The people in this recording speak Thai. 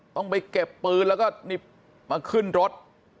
ต้องไปเก็บปืนแล้วก็นี่มาขึ้นรถ